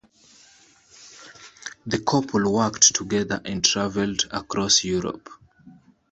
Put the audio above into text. The couple worked together and travelled across Europe.